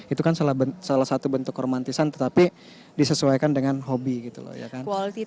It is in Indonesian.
itu kan salah satu bentuk romantisan tetapi disesuaikan dengan hobi gitu loh ya kan